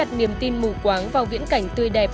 đặt niềm tin mù quáng vào viễn cảnh tươi đẹp